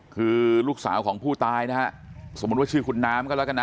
คือลูกสาวของผู้ตายนะฮะสมมุติว่าชื่อคุณน้ำก็แล้วกันนะ